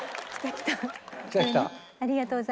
来た来たありがとうございます。